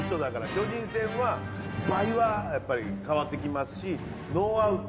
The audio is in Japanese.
巨人戦は倍はやっぱり変わってきますしノーアウト